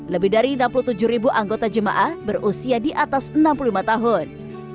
lebih dari enam puluh tujuh ribu anggota jemaah berusia di atas enam puluh lima tahun